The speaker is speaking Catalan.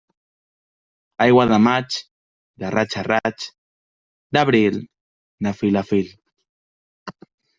Aigua de maig, de raig a raig; d'abril, de fil a fil.